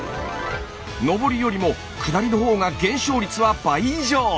上りよりも下りのほうが減少率は倍以上！